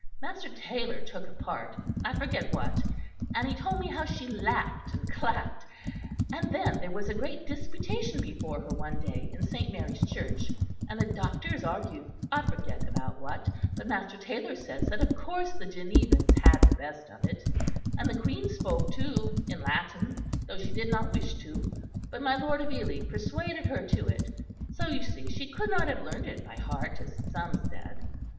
Master Taylor took a part, I forget what; and he told me how she laughed and clapped. And then there was a great disputation before her, one day, in St. Mary's Church, and the doctors argued, I forget what about, but Master Taylor says that of course the Genevans had the best of it; and the Queen spoke, too, in Latin, though she did not wish to, but my lord of Ely persuaded her to it; so you see she could not have learned it by heart, as some said.